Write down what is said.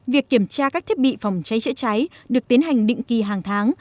việc kiểm tra các thiết bị phòng cháy chữa cháy được tiến hành định kỳ hàng tháng